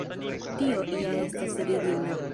Tio ja estas ridinda!